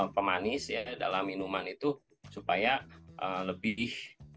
pemanis ya dalam minuman itu supaya lebih